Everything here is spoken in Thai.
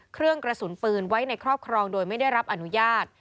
เครื่องกระสุนปืนไว้ในครอบครองโดยไม่ได้รับอนุญาต